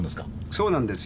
そうなんですよ。